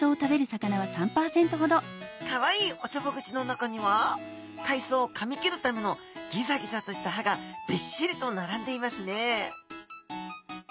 かわいいおちょぼ口の中には海藻をかみ切るためのギザギザとした歯がビッシリと並んでいますね